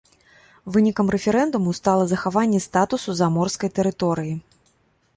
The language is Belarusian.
Вынікам рэферэндуму стала захаванне статусу заморскай тэрыторыі.